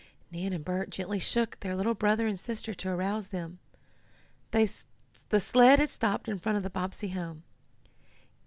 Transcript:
Nan and Bert gently shook their little brother and sister to arouse them. The sled had stopped in front of the Bobbsey home.